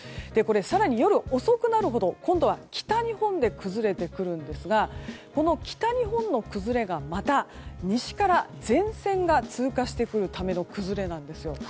更に夜遅くなるほど今度は北日本で崩れてくるんですがこの北日本の崩れがまた西から前線が通過してくるための崩れなんですよ。